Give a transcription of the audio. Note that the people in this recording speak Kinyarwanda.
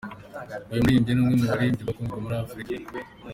Uyu muririmbyi ni umwe mu baririmbyi bakunzwe muri Afurika.